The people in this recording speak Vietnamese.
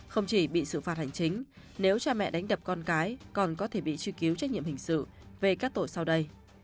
không chỉ bị xử phạt hành chính nếu cha mẹ đánh đập con cái còn có thể bị truy cứu trách nhiệm hình sự về các tội sau đây